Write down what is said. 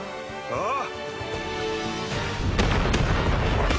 ああ！